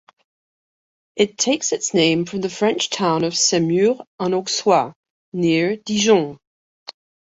It takes its name from the French town of Semur-en-Auxois, near Dijon.